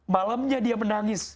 malamnya dia menangis